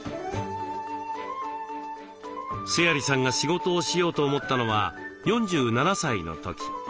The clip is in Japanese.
須鑓さんが仕事をしようと思ったのは４７歳の時。